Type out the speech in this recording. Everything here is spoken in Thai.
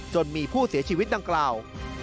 มีผู้เสียชีวิตดังกล่าว